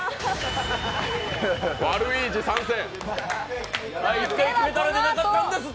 ワルイージ、参戦。